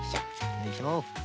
よいしょ。